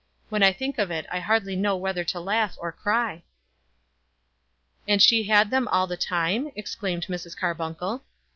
When I think of it I hardly know whether to laugh or cry." "And she had them all the time?" exclaimed Mrs. Carbuncle.